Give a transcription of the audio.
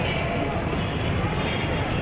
เพราะตอนนี้ก็ไม่มีเวลาให้เข้าไปที่นี่